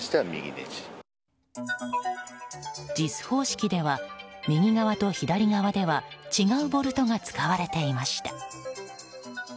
ＪＩＳ方式では右側と左側では違うボルトが使われていました。